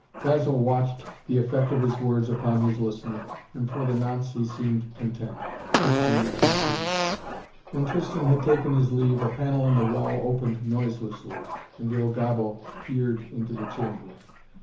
Basil watched the effect of his words upon his listener and for the nonce he seemed content. Tristan would take heed. When Tristan had taken his leave a panel in the wall opened noiselessly and Il Gobbo peered into the chamber.